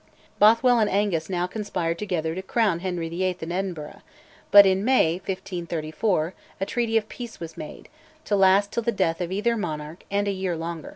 Bothwell and Angus now conspired together to crown Henry VIII. in Edinburgh; but, in May 1534, a treaty of peace was made, to last till the death of either monarch and a year longer.